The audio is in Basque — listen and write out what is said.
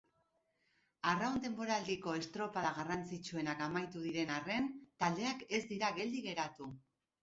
Arraun denboraldiko estropada garrantzitsuenak amaitu diren arren, taldeak ez dira geldi geratu.